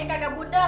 ini kakak budak